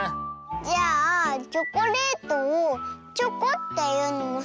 じゃあチョコレートをチョコっていうのもそう？